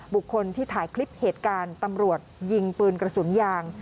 บุคคลที่ถ่ายคลิปเหตุการณ์ตำรวจยิงปืนกระสุนยาง